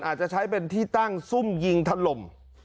อาจจะใช้เป็นที่ตั้งซุ่มยิงถล่ม